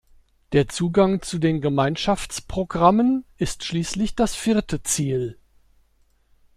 Der Zugang zu den Gemeinschaftsprogrammen ist schließlich das vierte Ziel.